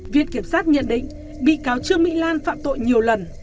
viện kiểm sát nhận định bị cáo trương mỹ lan phạm tội nhiều lần